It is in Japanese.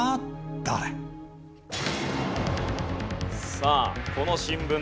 さあこの新聞です。